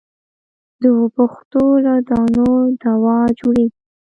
د اوبښتو له دانو دوا جوړېږي.